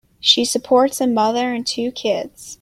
She supports a mother and two kids.